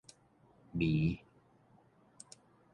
瀰